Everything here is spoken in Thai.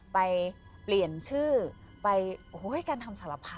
เปลี่ยนชื่อไปโห้ยกันทำสารพัดค่ะ